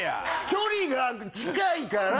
距離が近いから。